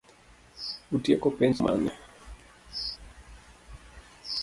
Utieko penj chieng' mane?